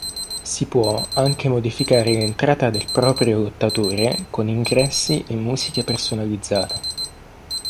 Si può anche modificare l'entrata del proprio lottatore con ingressi e musiche personalizzate.